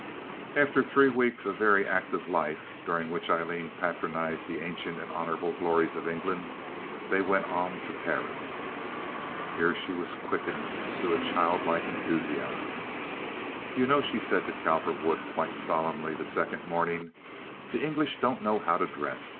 After three weeks of very active life, during which Aileen patronized the ancient and honorable glories of England, they went on to Paris. Here she was quickened to a child like enthusiasm. "You know," she said to Cowperwood, quite solemnly, the second morning, "the English don't know how to dress.